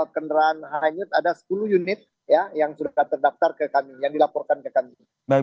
kendaraan hanyut ada sepuluh unit yang sudah terdaftar ke kami yang dilaporkan ke kami